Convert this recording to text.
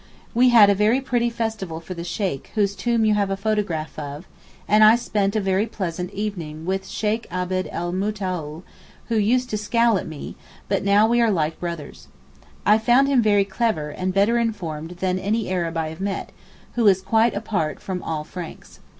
We had a very pretty festival for the Sheykh, whose tomb you have a photograph of, and I spent a very pleasant evening with Sheykh Abd el Mootooal, who used to scowl at me, but now we are 'like brothers.' I found him very clever, and better informed than any Arab I have met, who is quite apart from all Franks.